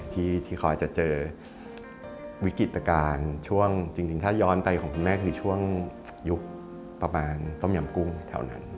ที่เขาอาจจะเจอวิกฤตการณ์ช่วงจริงถ้าย้อนไปของคุณแม่คือช่วงยุคประมาณต้มยำกุ้งแถวนั้น